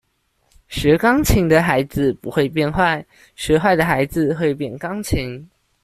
學鋼琴的孩子不會變壞，學壞的孩子會變鋼琴